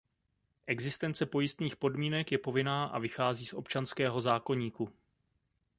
Existence pojistných podmínek je povinná a vychází z občanského zákoníku.